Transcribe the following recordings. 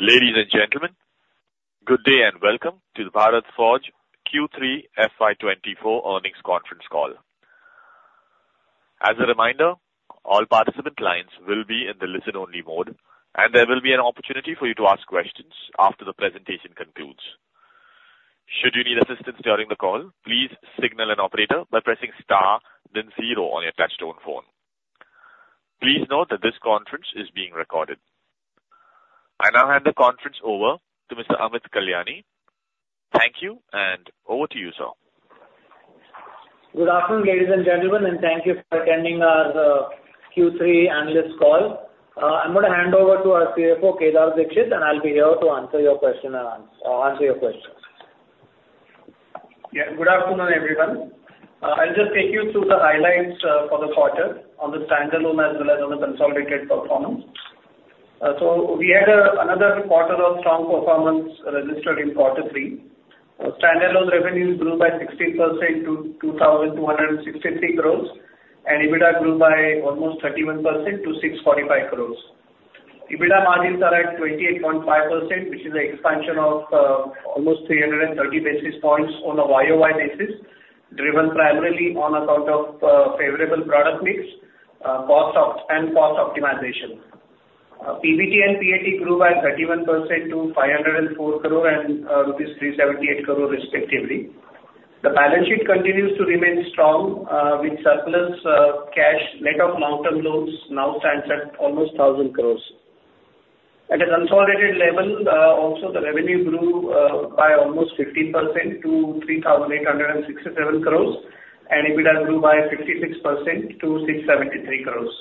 Ladies and gentlemen, good day and welcome to the Bharat Forge Q3 FY24 earnings conference call. As a reminder, all participant lines will be in the listen-only mode, and there will be an opportunity for you to ask questions after the presentation concludes. Should you need assistance during the call, please signal an operator by pressing star, then zero on your touch-tone phone. Please note that this conference is being recorded. I now hand the conference over to Mr. Amit Kalyani. Thank you, and over to you, sir. Good afternoon, ladies and gentlemen, and thank you for attending our Q3 analyst call. I'm going to hand over to our CFO, Kedar Dixit, and I'll be here to answer your question and answer your questions. Yeah, good afternoon, everyone. I'll just take you through the highlights for the quarter on the standalone as well as on the consolidated performance. So we had another quarter of strong performance registered in quarter three. Standalone revenues grew by 16% to 2,263 crores, and EBITDA grew by almost 31% to 645 crores. EBITDA margins are at 28.5%, which is an expansion of almost 330 basis points on a YOY basis, driven primarily on account of favorable product mix and cost optimization. PBT and PAT grew by 31% to 504 crore and rupees 378 crore, respectively. The balance sheet continues to remain strong, with surplus cash net of long-term loans now stands at almost 1,000 crores. At a consolidated level, also, the revenue grew by almost 15% to 3,867 crores, and EBITDA grew by 56% to 673 crores.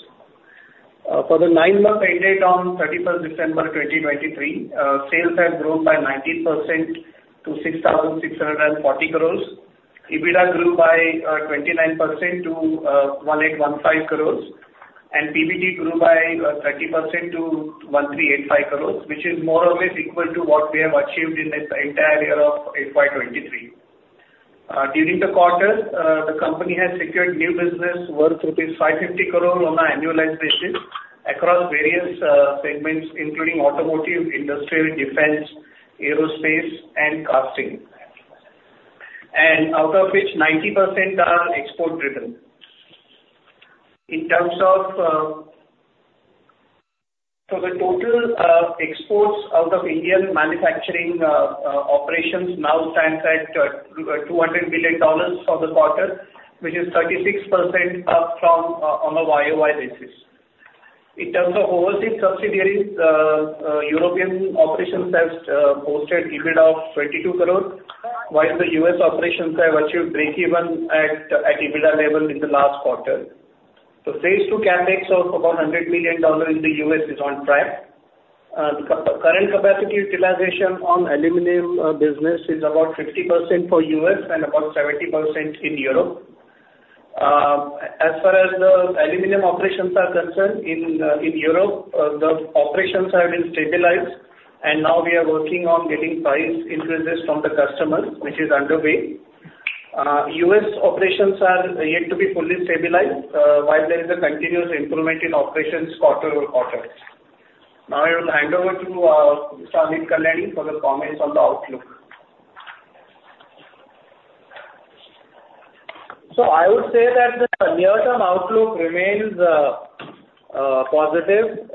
For the 9-month period ended December 31, 2023, sales have grown by 19% to 6,640 crores. EBITDA grew by 29% to 1,815 crores, and PBT grew by 30% to 1,385 crores, which is more or less equal to what we have achieved in this entire year of FY23. During the quarter, the company has secured new business worth rupees 550 crore on an annualized basis across various segments, including automotive, industrial, defense, aerospace, and casting, and out of which 90% are export-driven. In terms of so the total exports out of Indian manufacturing operations now stands at $200 million for the quarter, which is 36% up on a YoY basis. In terms of overseas subsidiaries, European operations have posted EBITDA of 22 crore, while the U.S. operations have achieved break-even at EBITDA level in the last quarter. The phase two CapEx of about $100 million in the U.S. is on track. Current capacity utilization on aluminum business is about 50% for U.S. and about 70% in Europe. As far as the aluminum operations are concerned, in Europe, the operations have been stabilized, and now we are working on getting price increases from the customers, which is underway. U.S. operations are yet to be fully stabilized, while there is a continuous improvement in operations quarter-over-quarter. Now I will hand over to Mr. Amit Kalyani for the comments on the outlook. So I would say that the near-term outlook remains positive.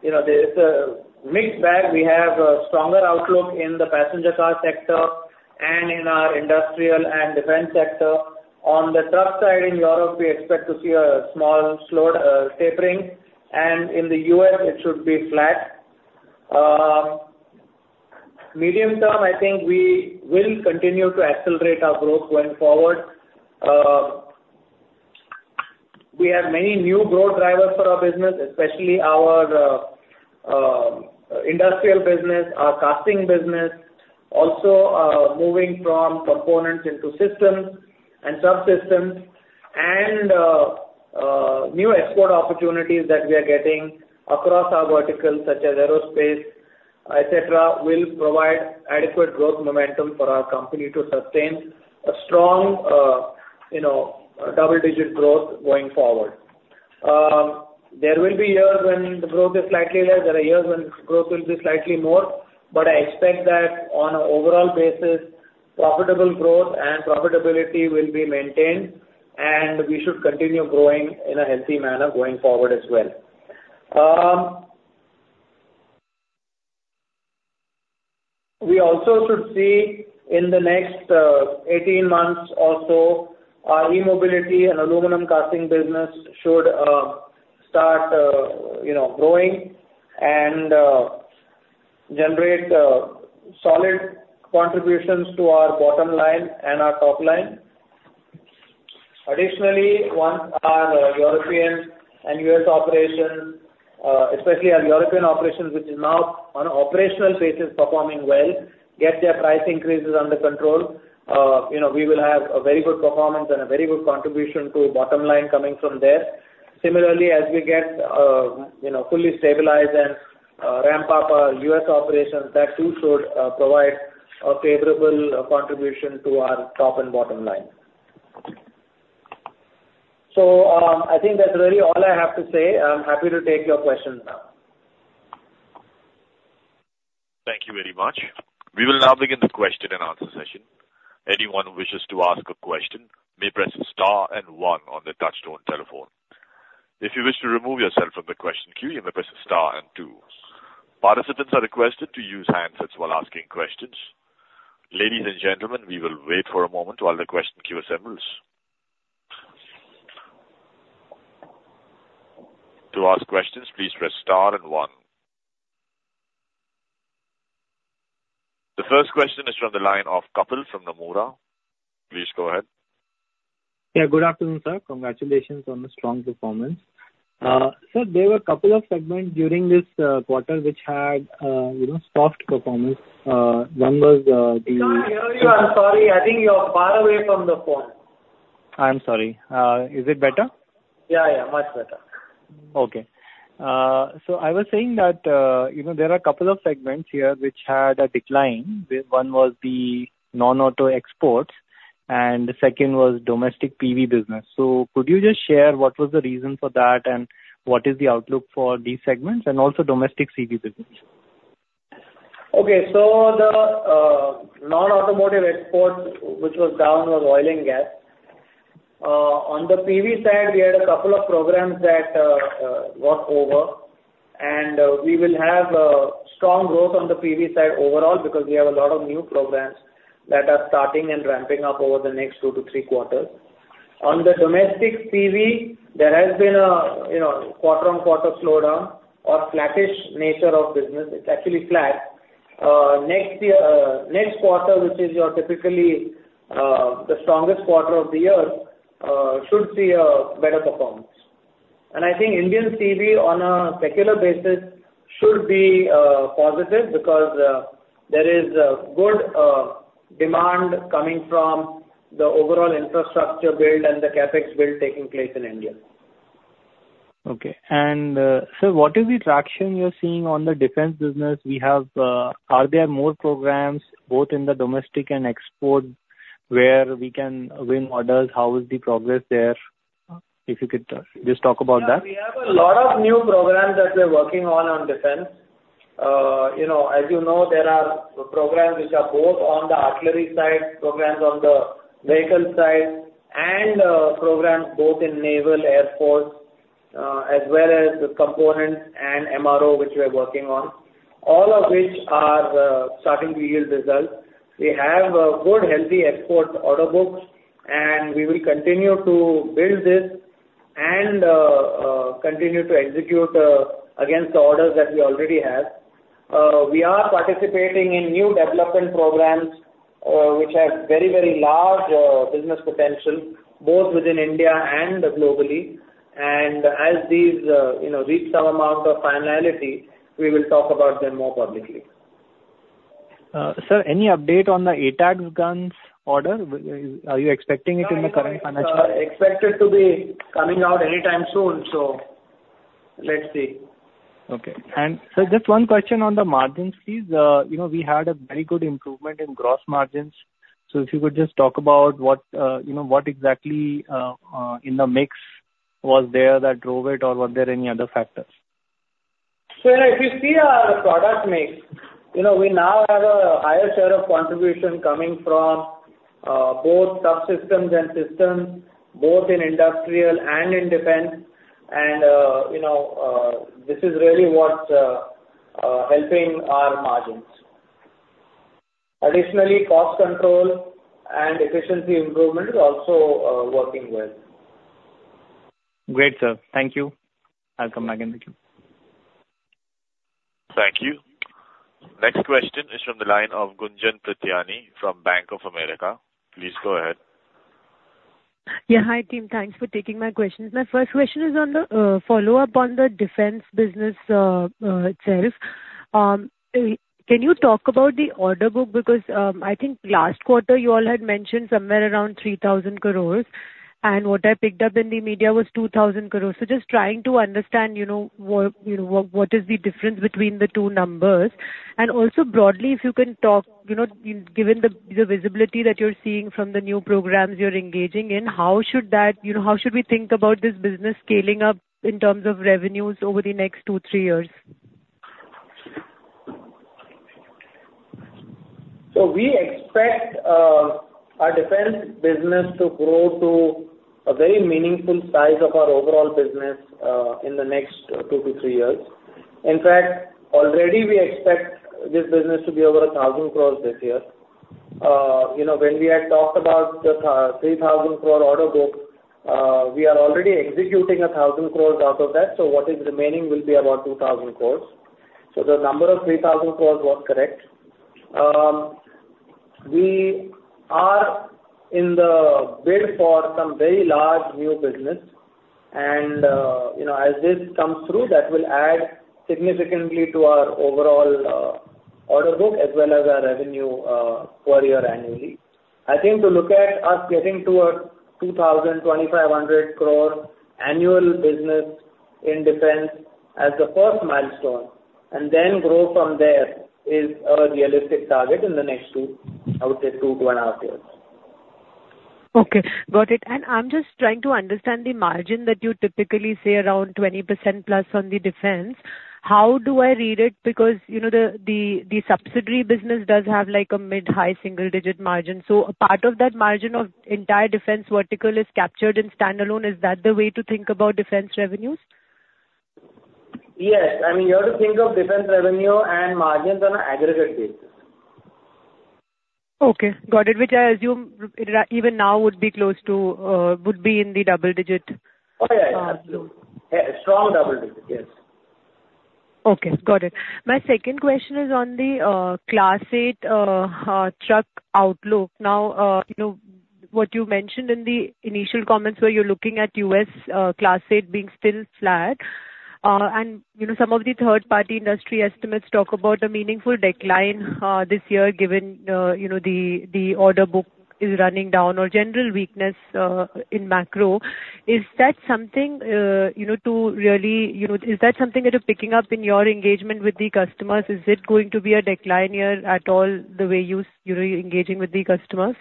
It's a mixed bag. We have a stronger outlook in the passenger car sector and in our industrial and defense sector. On the truck side in Europe, we expect to see a small tapering, and in the U.S., it should be flat. Medium term, I think we will continue to accelerate our growth going forward. We have many new growth drivers for our business, especially our industrial business, our casting business, also moving from components into systems and subsystems. New export opportunities that we are getting across our verticals, such as aerospace, etc., will provide adequate growth momentum for our company to sustain a strong double-digit growth going forward. There will be years when the growth is slightly less. There are years when growth will be slightly more, but I expect that on an overall basis, profitable growth and profitability will be maintained, and we should continue growing in a healthy manner going forward as well. We also should see in the next 18 months or so, our e-mobility and aluminum casting business should start growing and generate solid contributions to our bottom line and our top line. Additionally, once our European and US operations, especially our European operations, which is now on an operational basis performing well, get their price increases under control, we will have a very good performance and a very good contribution to bottom line coming from there. Similarly, as we get fully stabilized and ramp up our US operations, that too should provide a favorable contribution to our top and bottom line. So I think that's really all I have to say. I'm happy to take your questions now. Thank you very much. We will now begin the question-and-answer session. Anyone who wishes to ask a question may press star and one on the touch-tone telephone. If you wish to remove yourself from the question queue, you may press star and two. Participants are requested to use handsets while asking questions. Ladies and gentlemen, we will wait for a moment while the question queue assembles. To ask questions, please press star and one. The first question is from the line of Kapil from Nomura. Please go ahead. Yeah, good afternoon, sir. Congratulations on the strong performance. Sir, there were a couple of segments during this quarter which had soft performance. One was the. Can I hear you? I'm sorry. I think you're far away from the phone. I'm sorry. Is it better? Yeah, yeah, much better. Okay. So I was saying that there are a couple of segments here which had a decline. One was the non-auto exports, and the second was domestic PV business. So could you just share what was the reason for that and what is the outlook for these segments and also domestic CV business? Okay. So the non-automotive export, which was down, was oil and gas. On the PV side, we had a couple of programs that got over, and we will have strong growth on the PV side overall because we have a lot of new programs that are starting and ramping up over the next two to three quarters. On the domestic CV, there has been a quarter-on-quarter slowdown or flattish nature of business. It's actually flat. Next quarter, which is typically the strongest quarter of the year, should see a better performance. And I think Indian CV on a secular basis should be positive because there is good demand coming from the overall infrastructure build and the Capex build taking place in India. Okay. And sir, what is the traction you're seeing on the defense business? Are there more programs, both in the domestic and export, where we can win orders? How is the progress there? If you could just talk about that. Yeah, we have a lot of new programs that we're working on defense. As you know, there are programs which are both on the artillery side, programs on the vehicle side, and programs both in naval, air force, as well as components and MRO, which we're working on, all of which are starting to yield results. We have good, healthy export order books, and we will continue to build this and continue to execute against the orders that we already have. We are participating in new development programs which have very, very large business potential, both within India and globally. As these reach some amount of finality, we will talk about them more publicly. Sir, any update on the ATAGS guns order? Are you expecting it in the current financial? Expected to be coming out anytime soon. So let's see. Okay. Sir, just one question on the margins, please. We had a very good improvement in gross margins. So if you could just talk about what exactly in the mix was there that drove it, or were there any other factors? Sir, if you see our product mix, we now have a higher share of contribution coming from both subsystems and systems, both in industrial and in defense. This is really what's helping our margins. Additionally, cost control and efficiency improvement is also working well. Great, sir. Thank you. I'll come back to you. Thank you. Next question is from the line of Gunjan Prithyani from Bank of America. Please go ahead. Yeah, hi, team. Thanks for taking my questions. My first question is a follow-up on the defense business itself. Can you talk about the order book? Because I think last quarter, you all had mentioned somewhere around 3,000 crore, and what I picked up in the media was 2,000 crore. So just trying to understand what is the difference between the two numbers. And also, broadly, if you can talk, given the visibility that you're seeing from the new programs you're engaging in, how should we think about this business scaling up in terms of revenues over the next two, three years? So we expect our defense business to grow to a very meaningful size of our overall business in the next two to three years. In fact, already, we expect this business to be over 1,000 crores this year. When we had talked about the 3,000 crore order book, we are already executing 1,000 crores out of that. So what is remaining will be about 2,000 crores. So the number of 3,000 crores was correct. We are in the bid for some very large new business. And as this comes through, that will add significantly to our overall order book as well as our revenue quarter annually. I think to look at us getting towards 2,000-2,500 crore annual business in defense as the first milestone and then grow from there is a realistic target in the next, I would say, 2 to one-half years. Okay. Got it. And I'm just trying to understand the margin that you typically say around 20%+ on the defense. How do I read it? Because the subsidiary business does have a mid-high single-digit margin. So a part of that margin of entire defense vertical is captured and standalone. Is that the way to think about defense revenues? Yes. I mean, you have to think of defense revenue and margins on an aggregate basis. Okay. Got it, which I assume even now would be close to in the double-digit absolute. Oh, yeah, yeah. Absolutely. Strong double-digit. Yes. Okay. Got it. My second question is on the Class 8 truck outlook. Now, what you mentioned in the initial comments where you're looking at U.S. Class 8 being still flat, and some of the third-party industry estimates talk about a meaningful decline this year given the order book is running down or general weakness in macro. Is that something that you're picking up in your engagement with the customers? Is it going to be a decline year at all the way you're engaging with the customers?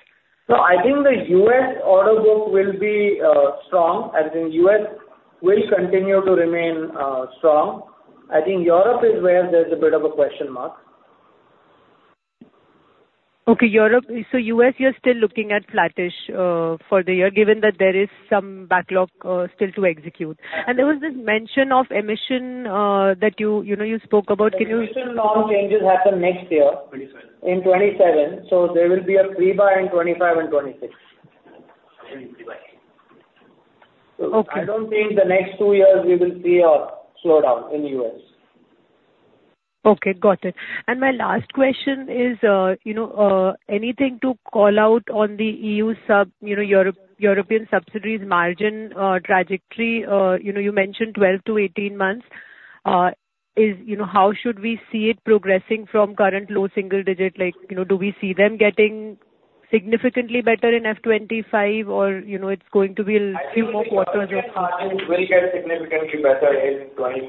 So I think the U.S. order book will be strong. I think U.S. will continue to remain strong. I think Europe is where there's a bit of a question mark. Okay. So U.S., you're still looking at flattish for the year given that there is some backlog still to execute. There was this mention of emission that you spoke about. Can you? Emission norms changes happen next year in 2027. So there will be a pre-buy in 2025 and 2026. So I don't think the next two years we will see a slowdown in the U.S. Okay. Got it. And my last question is anything to call out on the EU European subsidies margin trajectory? You mentioned 12-18 months. How should we see it progressing from current low single-digit? Do we see them getting significantly better in FY 2025, or it's going to be a few more quarters of time? I think it will get significantly better in 2025.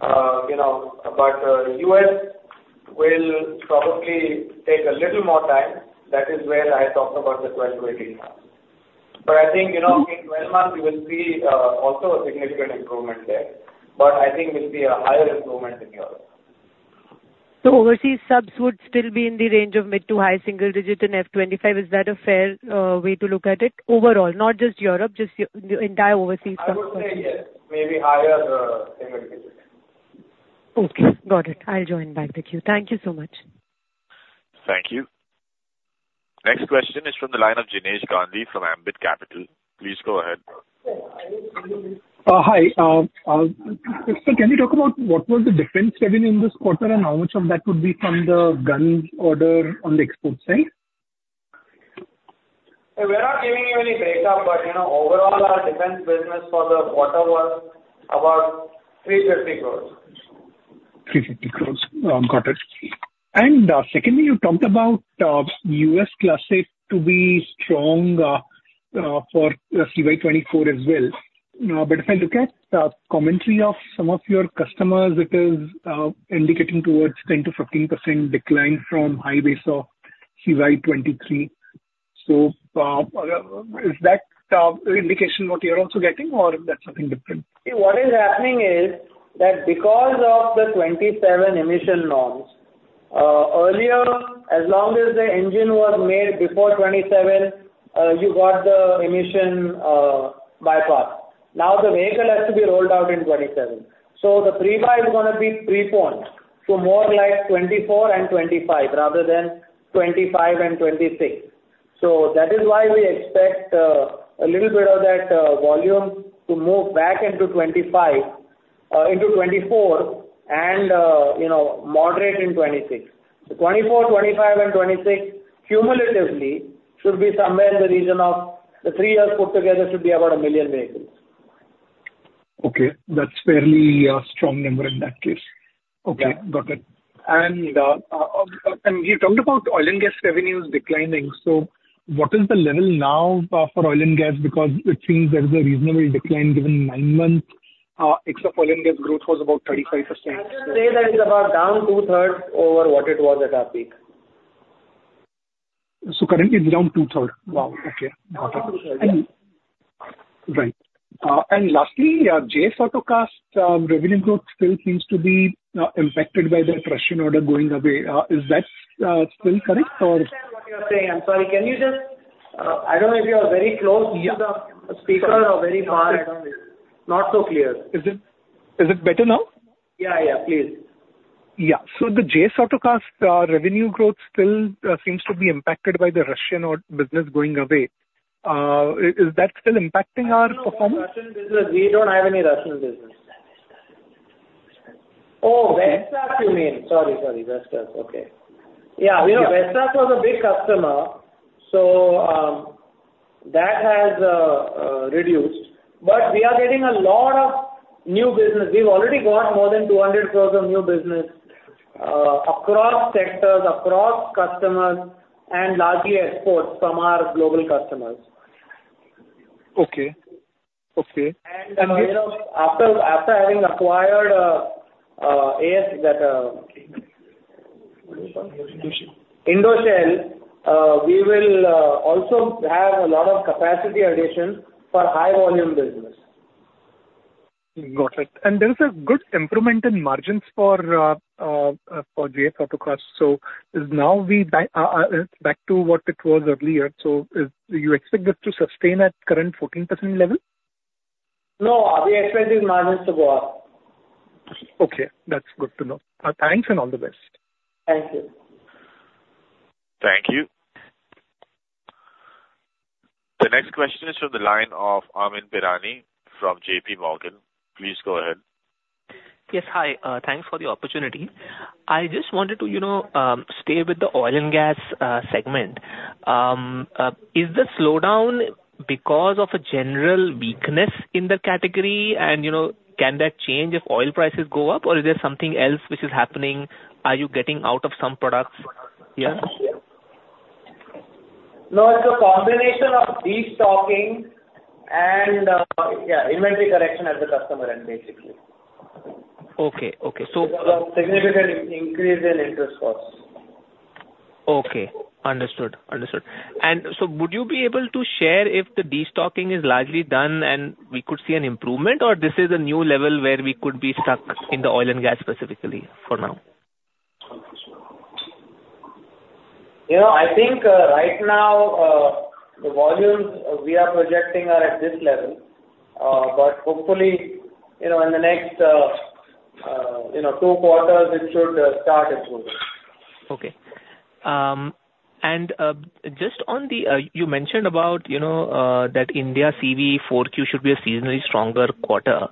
But U.S. will probably take a little more time. That is where I talked about the 12-18 months. But I think in 12 months, we will see also a significant improvement there. But I think we'll see a higher improvement in Europe. So overseas subs would still be in the range of mid to high single-digit in F25. Is that a fair way to look at it overall, not just Europe, just the entire overseas subs? I would say yes, maybe higher single-digit. Okay. Got it. I'll join back with you. Thank you so much. Thank you. Next question is from the line of Jinesh Gandhi from Ambit Capital. Please go ahead. Hi. Sir, can you talk about what was the defense revenue in this quarter and how much of that would be from the guns order on the export side? We're not giving you any breakup, but overall, our defense business for the quarter was about 350 crore. 350 crore. Got it. And secondly, you talked about U.S. Class 8 to be strong for CY24 as well. But if I look at the commentary of some of your customers, it is indicating towards 10%-15% decline from high base of CY23. So is that indication what you're also getting, or that's something different? See, what is happening is that because of the 2027 emission norms, earlier, as long as the engine was made before 2027, you got the emission bypass. Now, the vehicle has to be rolled out in 2027. So the pre-buy is going to be preponed to more like 2024 and 2025 rather than 2025 and 2026. So that is why we expect a little bit of that volume to move back into 2024 and moderate in 2026. So 2024, 2025, and 2026 cumulatively should be somewhere in the region of the three years put together should be about 1 million vehicles. Okay. That's fairly strong number in that case. Okay. Got it. And you talked about oil and gas revenues declining. So what is the level now for oil and gas? Because it seems there is a reasonable decline given nine months. X of oil and gas growth was about 35%. I can say that it's about down two-thirds over what it was at our peak. So currently, it's down two-thirds. Wow. Okay. Got it. Right. And lastly, JS AutoCast revenue growth still seems to be impacted by the attrition order going away. Is that still correct, or? I understand what you're saying. I'm sorry. Can you just—I don't know if you are very close to the speaker or very far. I don't know. Not so clear. Is it better now? Yeah, yeah. Please. Yeah. So the JS AutoCast revenue growth still seems to be impacted by the Russian business going away. Is that still impacting our performance? No, Russian business. We don't have any Russian business. Oh, Vestas, you mean? Sorry, sorry. Vestas. Okay. Yeah, Vestas was a big customer. So that has reduced. But we are getting a lot of new business. We've already got more than 200 crore of new business across sectors, across customers, and largely exports from our global customers. Okay. Okay. And. After having acquired AS, that. Indo Shell. Indo Shell, we will also have a lot of capacity addition for high-volume business. Got it. There is a good improvement in margins for JS AutoCast. Now we back to what it was earlier. You expect this to sustain at current 14% level? No, we expect these margins to go up. Okay. That's good to know. Thanks and all the best. Thank you. Thank you. The next question is from the line of Amyn Pirani from JPMorgan. Please go ahead. Yes. Hi. Thanks for the opportunity. I just wanted to stay with the oil and gas segment. Is the slowdown because of a general weakness in the category, and can that change if oil prices go up, or is there something else which is happening? Are you getting out of some products here? No, it's a combination of de-stocking and, yeah, inventory correction at the customer end, basically. Okay. Okay. So. Significant increase in interest costs. Okay. Understood. Understood. So would you be able to share if the de-stocking is largely done and we could see an improvement, or this is a new level where we could be stuck in the oil and gas specifically for now? I think right now, the volumes we are projecting are at this level. But hopefully, in the next two quarters, it should start improving. Okay. And just on what you mentioned about that India CV 4Q should be a seasonally stronger quarter.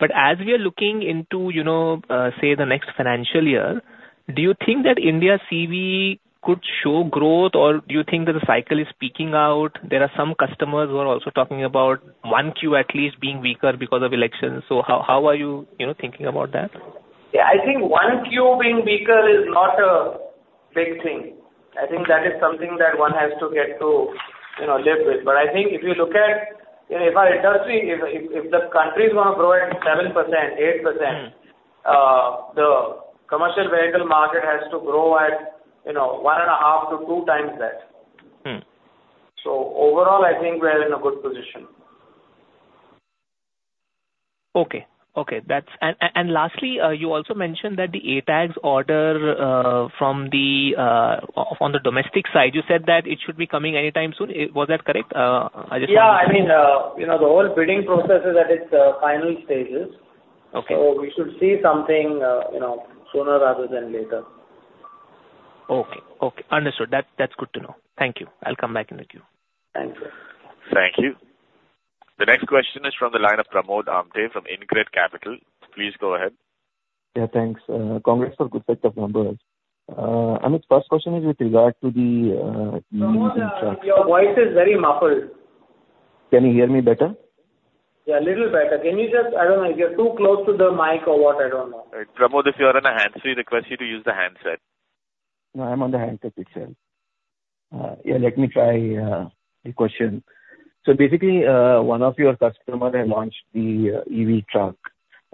But as we are looking into, say, the next financial year, do you think that India CV could show growth, or do you think that the cycle is peaking out? There are some customers who are also talking about 1Q at least being weaker because of elections. So how are you thinking about that? Yeah, I think 1Q being weaker is not a big thing. I think that is something that one has to get to live with. But I think if you look at our industry, if the country is going to grow at 7%, 8%, the commercial vehicle market has to grow at 1.5-2 times that. So overall, I think we're in a good position. Okay. Okay. And lastly, you also mentioned that the ATAGS order from the on the domestic side, you said that it should be coming anytime soon. Was that correct? I just wanted to. Yeah. I mean, the whole bidding process is at its final stages. So we should see something sooner rather than later. Okay. Okay. Understood. That's good to know. Thank you. I'll come back in the queue. Thank you. Thank you. The next question is from the line of Pramod Amte from InCred Capital. Please go ahead. Yeah. Thanks. Congrats for good set of numbers. Amit, first question is with regard to the. Pramod, Amit, your voice is very muffled. Can you hear me better? Yeah, a little better. Can you just, I don't know. If you're too close to the mic or what? I don't know. Pramod, if you're on a hands-free, request you to use the handset. No, I'm on the handset itself. Yeah, let me try the question. So basically, one of your customers had launched the EV truck.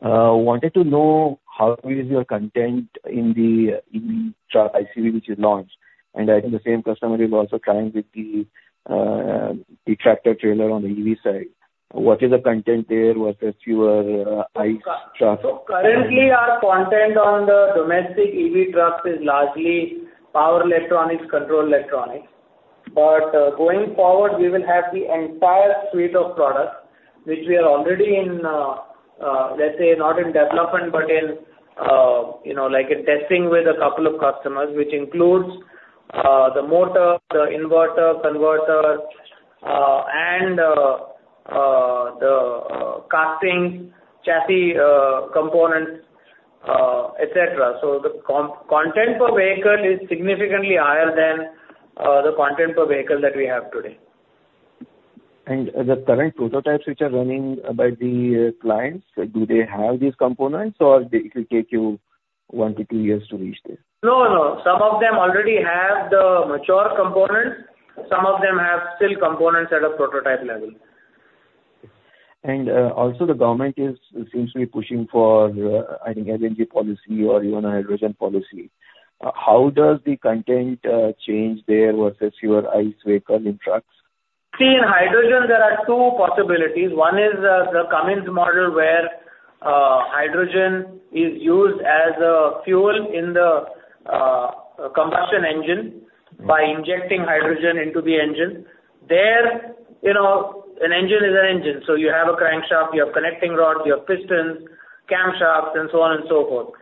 Wanted to know how is your content in the EV truck ICV which is launched. And I think the same customer is also trying with the tractor-trailer on the EV side. What is the content there versus your ICE truck? Currently, our content on the domestic EV trucks is largely power electronics, control electronics. But going forward, we will have the entire suite of products which we are already in, let's say, not in development but in testing with a couple of customers, which includes the motor, the inverter, converter, and the casting chassis components, etc. So the content per vehicle is significantly higher than the content per vehicle that we have today. The current prototypes which are running by the clients, do they have these components, or it will take you one to two years to reach them? No, no. Some of them already have the mature components. Some of them have still components at a prototype level. Also, the government seems to be pushing for, I think, LNG policy or even hydrogen policy. How does the content change there versus your ICE vehicle in trucks? See, in hydrogen, there are two possibilities. One is the Cummins model where hydrogen is used as a fuel in the combustion engine by injecting hydrogen into the engine. There, an engine is an engine. So you have a crankshaft. You have connecting rods. You have pistons, camshafts, and so on and so forth.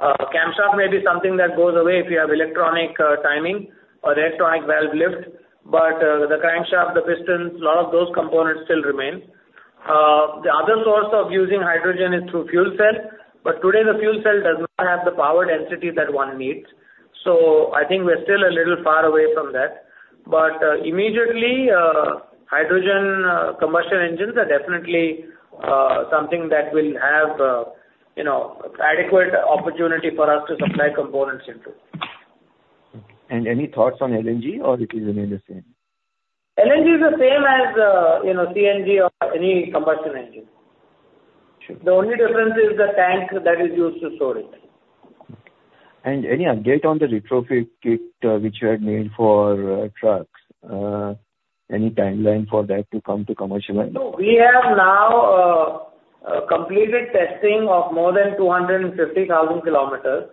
Camshaft may be something that goes away if you have electronic timing or electronic valve lift. But the crankshaft, the pistons, a lot of those components still remain. The other source of using hydrogen is through fuel cell. But today, the fuel cell does not have the power density that one needs. So I think we're still a little far away from that. But immediately, hydrogen combustion engines are definitely something that will have adequate opportunity for us to supply components into. Any thoughts on LNG, or it is remain the same? LNG is the same as CNG or any combustion engine. The only difference is the tank that is used to store it. Any update on the retrofit kit which you had made for trucks? Any timeline for that to come to commercial end? We have now completed testing of more than 250,000 kilometers.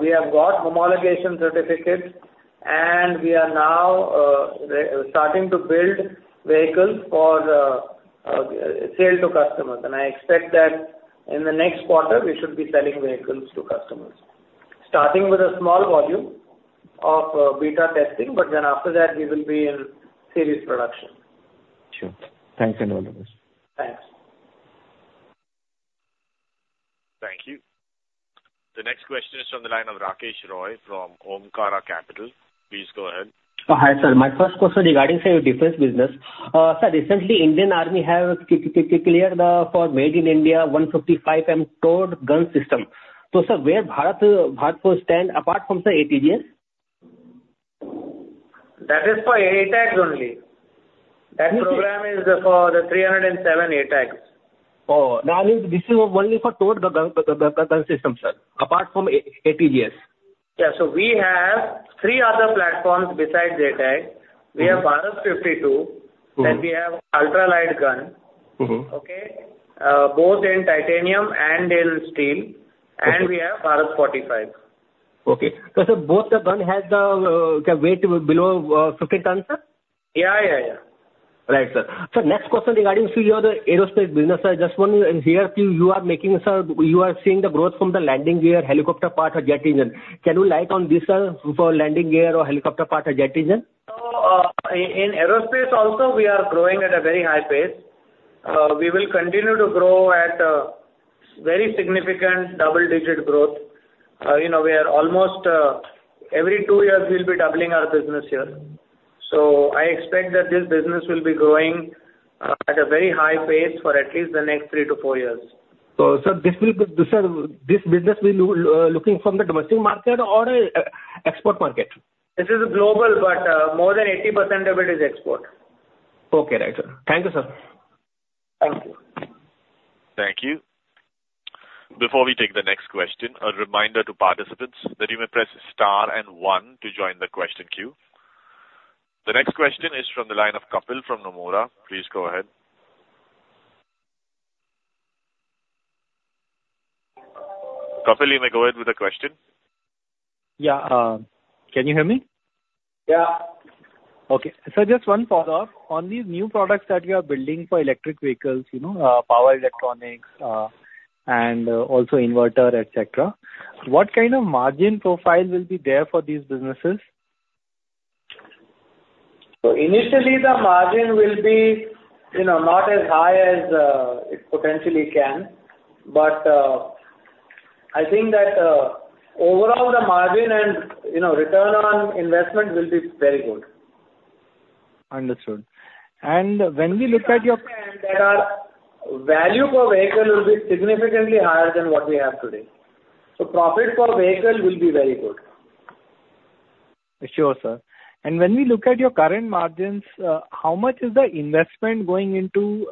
We have got homologation certificates. We are now starting to build vehicles for sale to customers. I expect that in the next quarter, we should be selling vehicles to customers, starting with a small volume of beta testing. Then after that, we will be in series production. Sure. Thanks and all the best. Thanks. Thank you. The next question is from the line of Rakesh Roy from Omkara Capital. Please go ahead. Hi, sir. My first question regarding your defense business. Sir, recently, Indian Army have cleared for Made in India 155mm towed gun system. So sir, where does Bharat Forge stand apart from, sir, ATAGS? That is for ATAGS only. That program is for the 307 ATAGS. Oh, no. This is only for Towed Gun System, sir, apart from ATAGS. Yeah. So we have three other platforms besides ATAGS. We have Bharat 52, then we have Ultralight Gun, okay, both in titanium and in steel. And we have Bharat 45. Okay. So sir, both the guns have the weight below 15 tons, sir? Yeah, yeah, yeah. Right, sir. Sir, next question regarding your aerospace business, sir. Just want to hear if you are making, sir, you are seeing the growth from the landing gear, helicopter part, or jet engine. Can you like on this, sir, for landing gear or helicopter part or jet engine? In aerospace also, we are growing at a very high pace. We will continue to grow at very significant double-digit growth. We are almost every two years, we'll be doubling our business here. I expect that this business will be growing at a very high pace for at least the next three to four years. Sir, this business will be looking from the domestic market or export market? This is global, but more than 80% of it is export. Okay. Right, sir. Thank you, sir. Thank you. Thank you. Before we take the next question, a reminder to participants that you may press star and one to join the question queue. The next question is from the line of Kapil from Nomura. Please go ahead. Kapil, you may go ahead with the question. Yeah. Can you hear me? Yeah. Okay. Sir, just one follow-up. On these new products that we are building for electric vehicles, power electronics, and also inverter, etc., what kind of margin profile will be there for these businesses? Initially, the margin will be not as high as it potentially can. But I think that overall, the margin and return on investment will be very good. Understood. When we look at your. That our value per vehicle will be significantly higher than what we have today. Profit per vehicle will be very good. Sure, sir. When we look at your current margins, how much is the investment going into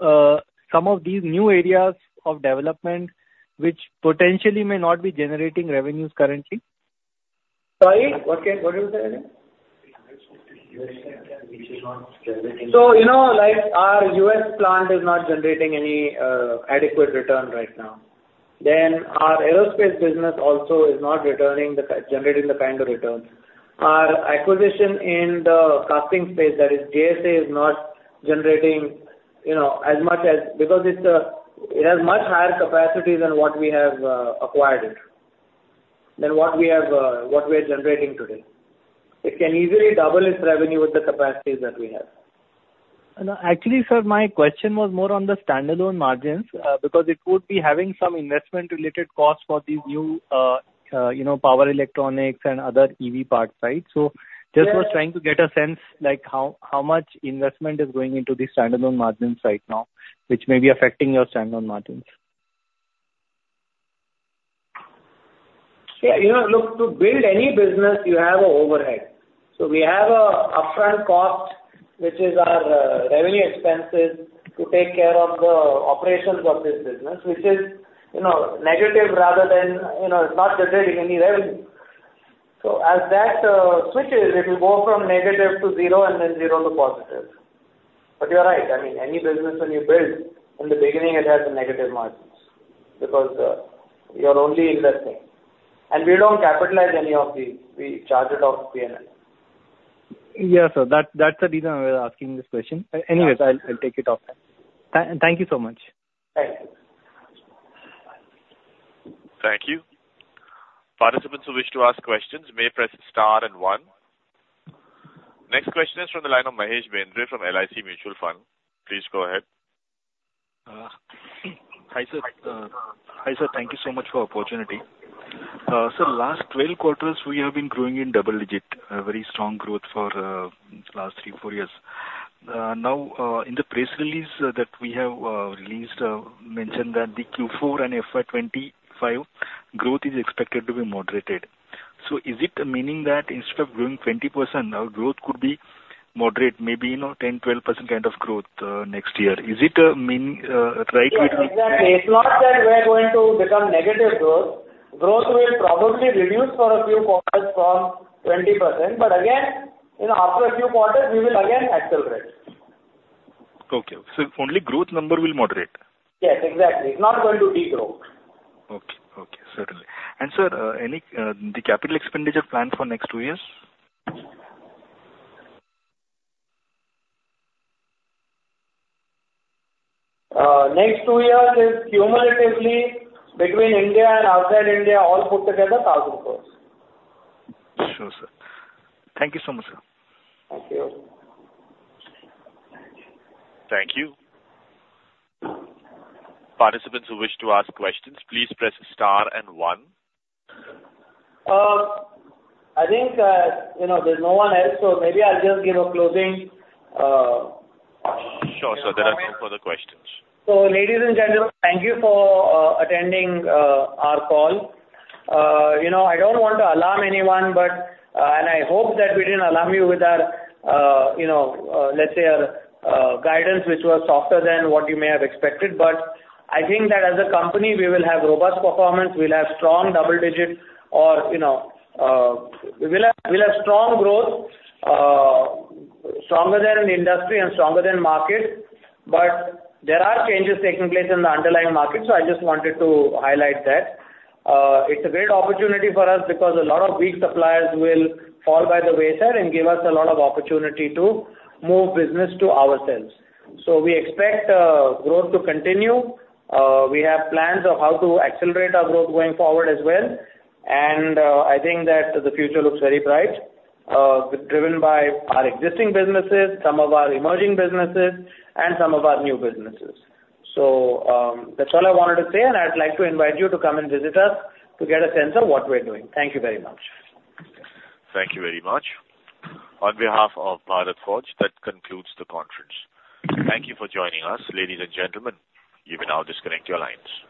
some of these new areas of development which potentially may not be generating revenues currently? Sorry? What did you say again? So our US plant is not generating any adequate return right now. Then our aerospace business also is not generating the kind of returns. Our acquisition in the casting space, that is, JS Auto, is not generating as much as because it has much higher capacity than what we have acquired it, than what we are generating today. It can easily double its revenue with the capacities that we have. Actually, sir, my question was more on the standalone margins because it would be having some investment-related costs for these new power electronics and other EV parts, right? So just was trying to get a sense how much investment is going into these standalone margins right now which may be affecting your standalone margins. Yeah. Look, to build any business, you have an overhead. So we have an upfront cost which is our revenue expenses to take care of the operations of this business which is negative rather than it's not generating any revenue. So as that switches, it will go from negative to zero and then zero to positive. But you're right. I mean, any business when you build, in the beginning, it has a negative margin because you're only investing. And we don't capitalize any of these. We charge it off P&L. Yeah, sir. That's the reason I was asking this question. Anyways, I'll take it off then. Thank you so much. Thank you. Thank you. Participants who wish to ask questions may press star and one. Next question is from the line of Mahesh Bendre from LIC Mutual Fund. Please go ahead. Hi, sir. Hi, sir. Thank you so much for the opportunity. Sir, last 12 quarters, we have been growing in double-digit, very strong growth for the last three, four years. Now, in the press release that we have released, mentioned that the Q4 and FY25 growth is expected to be moderated. So is it meaning that instead of growing 20%, our growth could be moderate, maybe 10%-12% kind of growth next year? Is it right we will. Exactly. It's not that we're going to become negative growth. Growth will probably reduce for a few quarters from 20%. But again, after a few quarters, we will again accelerate. Okay. So only growth number will moderate? Yes, exactly. It's not going to degrowth. Okay. Okay. Certainly. And sir, the capital expenditure planned for next two years? Next two years, it's cumulatively between India and outside India, all put together, INR 1,000. Sure, sir. Thank you so much, sir. Thank you. Thank you. Participants who wish to ask questions, please press star and one. I think there's no one else. So maybe I'll just give a closing. Sure, sir. There are no further questions. So ladies and gentlemen, thank you for attending our call. I don't want to alarm anyone, but I hope that we didn't alarm you with our, let's say, guidance which was softer than what you may have expected. But I think that as a company, we will have robust performance. We'll have strong double-digit or we'll have strong growth, stronger than industry and stronger than market. But there are changes taking place in the underlying market. So I just wanted to highlight that. It's a great opportunity for us because a lot of weak suppliers will fall by the wayside and give us a lot of opportunity to move business to ourselves. So we expect growth to continue. We have plans of how to accelerate our growth going forward as well. I think that the future looks very bright, driven by our existing businesses, some of our emerging businesses, and some of our new businesses. That's all I wanted to say. I'd like to invite you to come and visit us to get a sense of what we're doing. Thank you very much. Thank you very much. On behalf of Bharat Forge, that concludes the conference. Thank you for joining us. Ladies and gentlemen, you may now disconnect your lines.